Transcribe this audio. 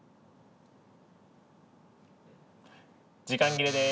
時間切れです。